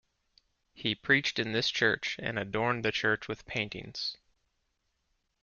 He preached in this Church and adorned the Church with paintings.